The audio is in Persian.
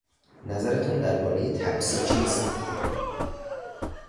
نظرتان دربارهی تپسی چیست؟